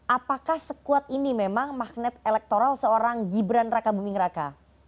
apakah sekuat ini memang magnet elektoral seorang gibran raka buming raka